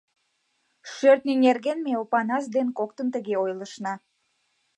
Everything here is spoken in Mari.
Шӧртньӧ нерген ме Опанас ден коктын тыге ойлышна.